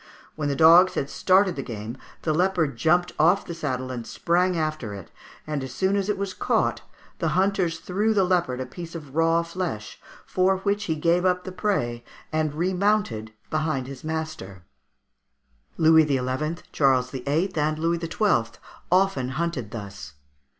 When the dogs had started the game the leopard jumped off the saddle and sprang after it, and as soon as it was caught the hunters threw the leopard a piece of raw flesh, for which he gave up the prey and remounted behind his master (Fig. 142) Louis XI., Charles VIII., and Louis XII. often hunted thus.